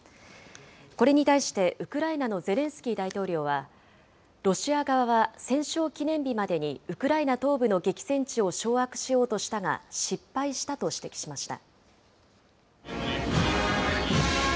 これに対して、ウクライナのゼレンスキー大統領は、ロシア側は戦勝記念日までにウクライナ東部の激戦地を掌握しようとしたが失敗したと指摘しました。